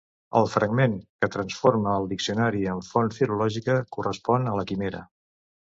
El fragment que transforma el diccionari en font filològica correspon a “La Quimera”.